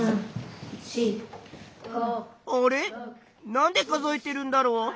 なんで数えてるんだろう？